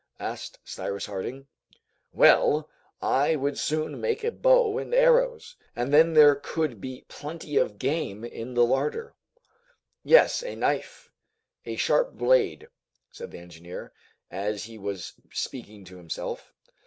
asked Cyrus Harding. "Well! I would soon make a bow and arrows, and then there could be plenty of game in the larder!" "Yes, a knife, a sharp blade." said the engineer, as if he was speaking to himself.